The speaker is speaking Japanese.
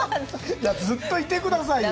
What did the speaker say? ずっといてくださいよ。